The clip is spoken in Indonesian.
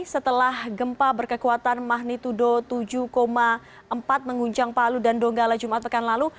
setelah gempa berkekuatan magnitudo tujuh empat menguncang palu dan donggala jumat pekan lalu